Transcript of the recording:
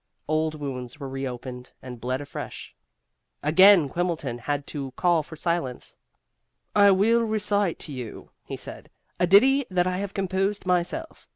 Old wounds were reopened and bled afresh. Again Quimbleton had to call for silence. "I will recite to you," he said, "a ditty that I have composed myself.